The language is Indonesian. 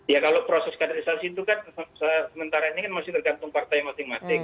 ya kalau proses kaderisasi itu kan sementara ini kan masih tergantung partai masing masing